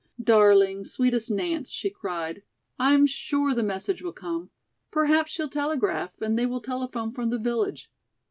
"Darling, sweetest Nance," she cried, "I am sure the message will come. Perhaps she'll telegraph, and they will telephone from the village.